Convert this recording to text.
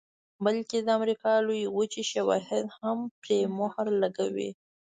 بلکې د امریکا لویې وچې شواهد هم پرې مهر لګوي